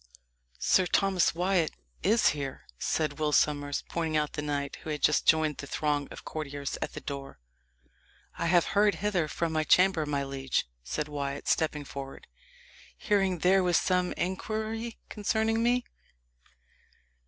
"Sir Thomas Wyat is here," said Will Sommers, pointing out the knight, who had just joined the throng of courtiers at the door. "I have hurried hither from my chamber, my liege," said Wyat, stepping forward, "hearing there was some inquiry concerning me."